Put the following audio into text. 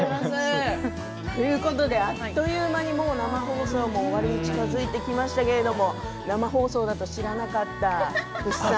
あっという間に生放送も終わりに近づいてきましたけれど生放送だと知らなかった福士さん。